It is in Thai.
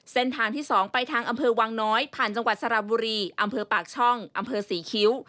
เส้นทางที่๒ไปทางอำเภอวังน้อยผ่านจังหวัดสระบุรีอำเภอปากช่องอำเภอศรีคิ้ว